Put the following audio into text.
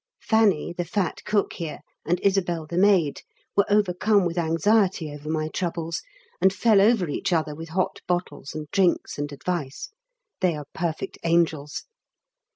Fanny, the fat cook here, and Isabel the maid, were overcome with anxiety over my troubles, and fell over each other with hot bottles, and drinks, and advice. They are perfect angels.